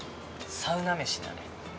サウナ飯だね。